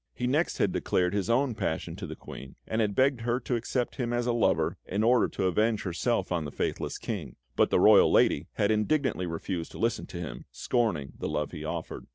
He next had declared his own passion to the Queen, and had begged her to accept him as a lover in order to avenge herself on the faithless King; but the royal lady had indignantly refused to listen to him, scorning the love he offered.